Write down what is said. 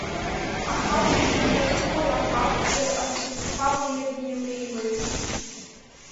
Аҳауа зҩыда ҳгәы раҳаҭзар, асыҭәҳәа леиргьы илеимаҩ…